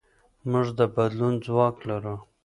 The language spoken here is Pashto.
موږ د بدلون ځواک لرو.